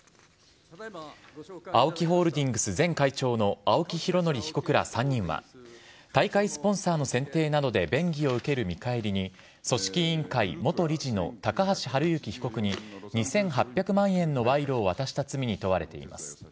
ＡＯＫＩホールディングス前会長の青木拡憲被告ら３人は大会スポンサーの選定などで便宜を受ける見返りに組織委員会・元理事の高橋治之被告に２８００万円の賄賂を渡した罪に問われています。